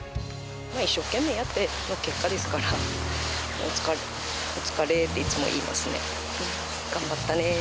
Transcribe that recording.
一生懸命やっての結果ですから、お疲れって、いつも言いますね。